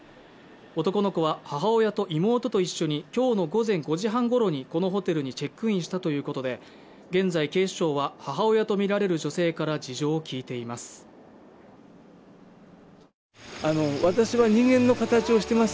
男の子は母親と妹と一緒に今日の午前５時半ごろにこのホテルにチェックインしたということで、現在、警視庁は母親とみられる女性から事情を聴いています。